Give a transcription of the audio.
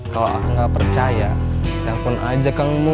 kalau aku gak percaya telfon aja kang mus